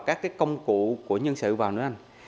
các công cụ của nhân sự vào nữa